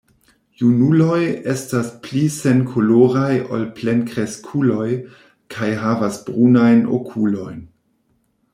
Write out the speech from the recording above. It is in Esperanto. Junuloj estas pli senkoloraj ol plenkreskuloj kaj havas brunajn okulojn.